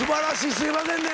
すいませんね。